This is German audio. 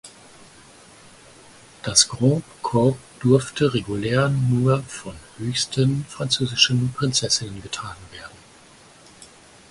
Das "Grand corps" durfte regulär nur von höchsten französischen Prinzessinnen getragen werden.